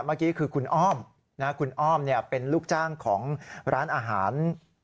เมื่อกี้คือคุณอ้อมคุณอ้อมเป็นลูกจ้างของร้านอาหาร